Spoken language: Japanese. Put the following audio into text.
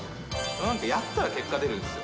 なんかやったら結果出るんですよ。